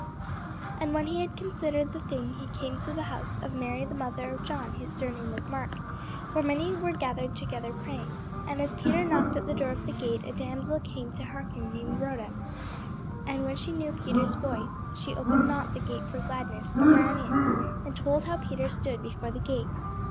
And when he had considered the thing, he came to the house of Mary the mother of John, whose surname was Mark; where many were gathered together praying. And as Peter knocked at the door of the gate, a damsel came to hearken, named Rhoda. And when she knew Peter's voice, she opened not the gate for gladness, but ran in, and told how Peter stood before the gate.